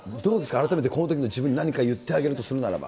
改めて、このときの自分に何か言ってあげるとするならば。